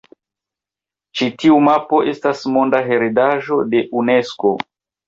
Ĉi tiu mapo estas Monda Heredaĵo de Unesko.